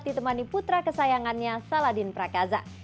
ditemani putra kesayangannya saladin prakaza